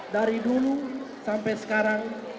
dari dulu sampai sekarang